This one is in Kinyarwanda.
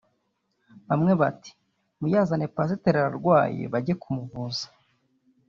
hamwe bati “muyazane pasiteri ararwaye bajye kumuvuza